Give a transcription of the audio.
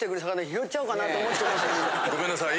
ごめんなさい